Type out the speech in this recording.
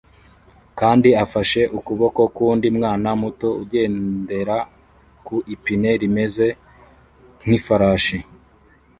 kandi afashe ukuboko k'undi mwana muto ugendera ku ipine rimeze nk'ifarashi